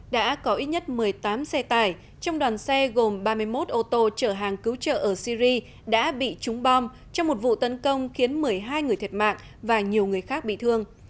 đã có ít nhất một mươi tám xe tải trong đoàn xe gồm ba mươi một ô tô chở hàng cứu trợ ở syri đã bị trúng bom trong một vụ tấn công khiến một mươi hai người thiệt mạng và nhiều người khác bị thương